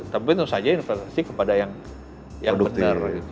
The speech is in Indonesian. tapi tentu saja investasi kepada yang benar